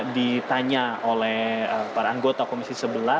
ditanya oleh para anggota komisi sebelas